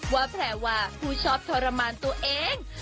แพรวาผู้ชอบทรมานตัวเอง